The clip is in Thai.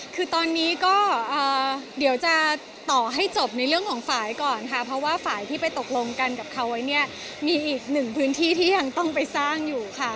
คือตอนนี้ก็เดี๋ยวจะต่อให้จบในเรื่องของฝ่ายก่อนค่ะเพราะว่าฝ่ายที่ไปตกลงกันกับเขาไว้เนี่ยมีอีกหนึ่งพื้นที่ที่ยังต้องไปสร้างอยู่ค่ะ